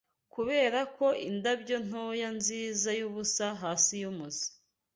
Kuberako indabyo ntoya nziza yubusa Hasi yumuzi